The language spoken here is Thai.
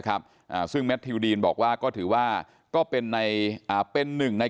ครับอ่าซึ่งแมททิวดีนบอกว่าก็ถือว่าก็เป็นในอ่าเป็นหนึ่งใน